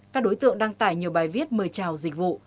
các đối tượng đăng tải nhiều bài viết mời chào dịch vụ